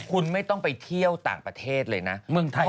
คุณไม่ต้องไปเที่ยวต่างประเทศเลยนะเมืองไทย